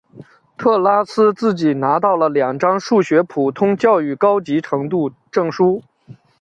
特拉斯自己拿到了两张数学普通教育高级程度证书。